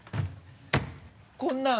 こんなの。